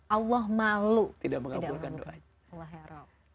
allah malu tidak mengabulkan doanya